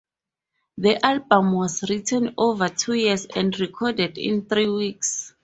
The album was written over two years and recorded in three weeks.